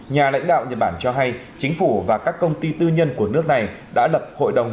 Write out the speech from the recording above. nhà lãnh đạo nhật bản cho hay chính phủ và các công ty tư nhân của nước này đã lập hội đồng